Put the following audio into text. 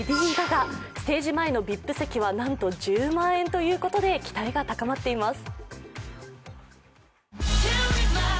ステージ前のＶＩＰ席は、なんと１０万円ということで、期待が高まっています。